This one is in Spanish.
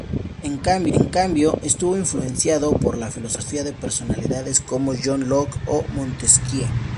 En cambio, estuvo influenciado por la filosofía de personalidades como John Locke o Montesquieu.